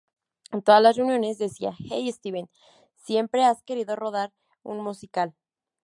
En todas las reuniones decía ‘Hey, Steven, siempre has querido rodar un musical’.